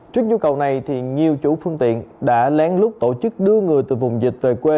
trước nhu cầu này nhiều chủ phương tiện đã lén lút tổ chức đưa người từ vùng dịch về quê